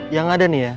yang ada nih ya